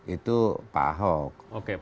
itu pak ahok